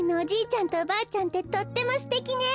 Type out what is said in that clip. ちゃんとおばあちゃんってとってもすてきね。